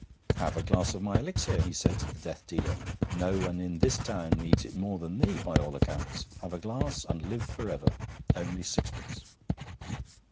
'Have a glass of my elixir,' he said to the death dealer; 'no one in this town needs it more than thee, by all accounts. Have a glass, and live for ever. Only sixpence.'